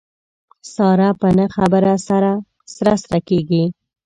ساره په نه خبره سره سره کېږي.